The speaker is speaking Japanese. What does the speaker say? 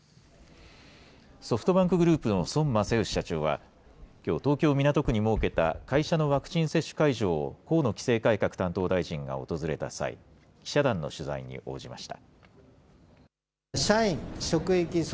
ソフトバンクグループの孫正義社長はきょう東京、港区に設けた会社のワクチン接種会場を河野規制改革担当大臣が訪れた際記者団の取材に応じました。